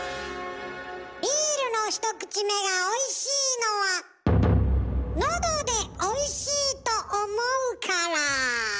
ビールの１口目がおいしいのはのどでおいしいと思うから。